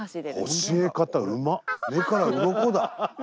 目からうろこだ。